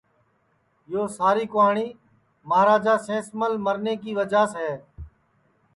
یو ساری کُہانی مہاراجا سینس مل مرنے کی وجعہ سے ہے